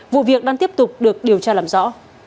vụ việc đang tiếp tục được điều tra làm rõ